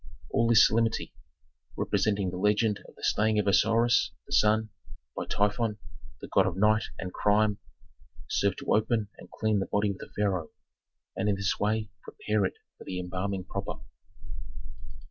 All this solemnity, representing the legend of the slaying of Osiris (the sun) by Typhon (the god of night and crime), served to open and clean the body of the pharaoh, and in this way prepare it for the embalming proper.